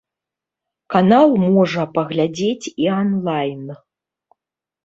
Канал можа паглядзець і анлайн.